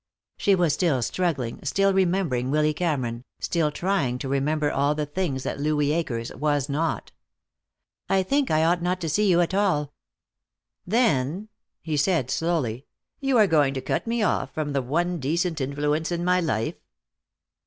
She was still struggling, still remembering Willy Cameron, still trying to remember all the things that Louis Akers was not. "I think I ought not to see you at all." "Then," he said slowly, "you are going to cut me off from the one decent influence in my life."